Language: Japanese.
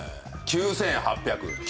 ９８００。